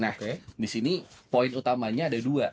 nah disini poin utamanya ada dua